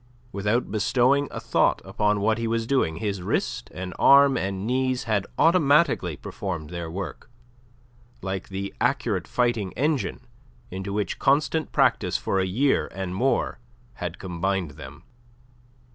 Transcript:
Without bestowing a thought upon what he was doing, his wrist and arm and knees had automatically performed their work, like the accurate fighting engine into which constant practice for a year and more had combined them.